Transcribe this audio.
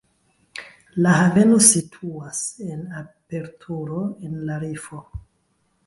La haveno situas en aperturo en la rifo.